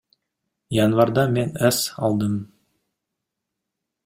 Январда мен эс алдым.